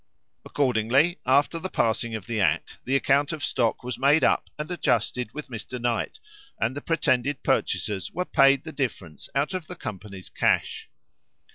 Accordingly, after the passing of the act, the account of stock was made up and adjusted with Mr. Knight, and the pretended purchasers were paid the difference out of the company's cash.